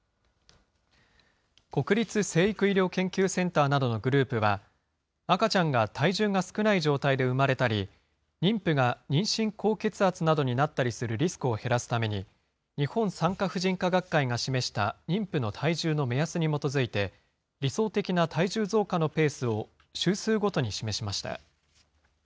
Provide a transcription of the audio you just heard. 国立成育医療研究センターなどのグループは、赤ちゃんが体重が少ない状態で生まれたり、妊婦が妊娠高血圧などになったりするリスクを減らすために、日本産科婦人科学会が示した妊婦の体重の目安に基づいて、理想的な体重増加のペースを、週数ごとに示しました。